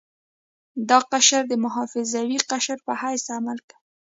دا قشر د محافظوي قشر په حیث عمل کوي.